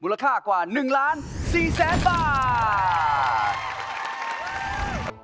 มูลค่ากว่า๑ล้าน๔๐๐บาท